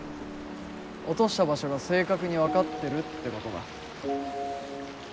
落とした場所が正確に分かってるってことだ。